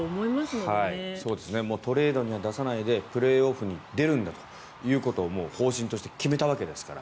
もうトレードには出さないでプレーオフに出るんだということを方針として決めたわけですから。